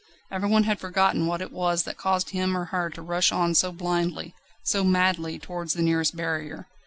Everyone had forgotten what it was that caused him or her to rush on so blindly, so madly, towards the nearest barrier.